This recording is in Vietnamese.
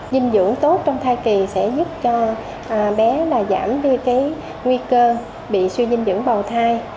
dinh dưỡng tốt trong thai kỳ sẽ giúp cho bé giảm đi cái nguy cơ bị suy dinh dưỡng bào thai